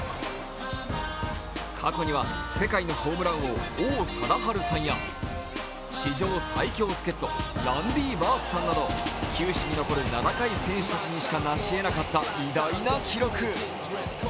過去には世界のホームラン王王貞治さんや史上最強助っ人ランディ・バースさんなど球史に残る名高い選手たちにしかなしえなかった偉大な記録。